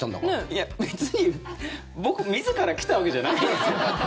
いや、別に僕自ら来たわけじゃないですよ。